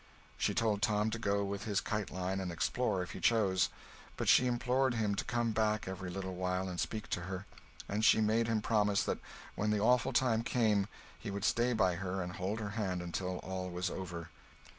She told Tom to go with the kite line and explore if he chose; but she implored him to come back every little while and speak to her; and she made him promise that when the awful time came, he would stay by her and hold her hand until all was over.